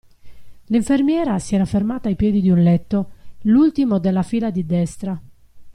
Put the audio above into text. L'infermiera si era fermata ai piedi di un letto, l'ultimo della fila di destra.